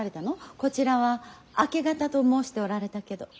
こちらは明け方と申しておられたけど。